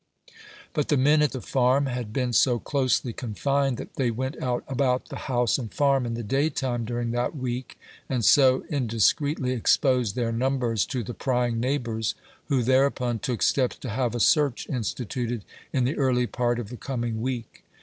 But the men at tbe Farm had been so closely con fined, that they went out about the house and farm in the day time during that week, and so indiscreetly exposed their numbers to the prying neighbors, who thereupon took steps to have a search instituted in the early part of the coming week.